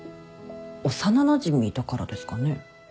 幼なじみだからですかね？